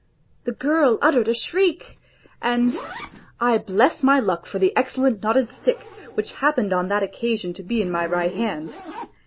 The girl uttered a shriek, and ... I bless my luck for the excellent knotted stick, which happened on that occasion to be in my right hand.